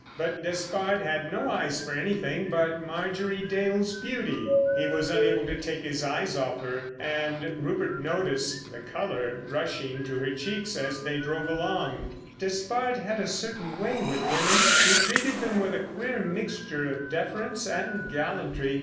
But Despard had no eyes for anything but Marjorie Dale's beauty. He was unable to take his eyes off her, and Rupert noticed the colour rushing to her cheeks as they drove along. Despard had a certain way with women. He treated them with a queer mixture of deference and gallantry.